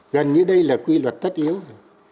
gần như đây là quy luật tất yếu rồi